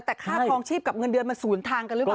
แต่ค่าคลองชีพกับเงินเดือนมันศูนย์ทางกันหรือเปล่า